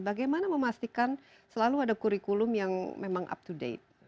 bagaimana memastikan selalu ada kurikulum yang memang up to date